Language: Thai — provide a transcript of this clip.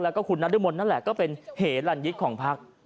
และก็คูณารุยมนต์นั่นแหละก็เป็นเหระหลั่นยิกของภักษณ์